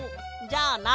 じゃあな」。